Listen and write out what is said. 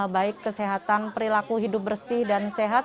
baik kesehatan perilaku hidup bersih dan sehat